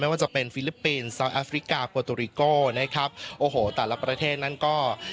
ว่าจะเป็นฟิลิปปินส์ซาวแอฟริกาโปรตูริโกนะครับโอ้โหแต่ละประเทศนั้นก็